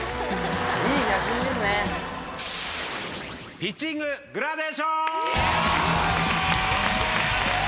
ピッチンググラデーション。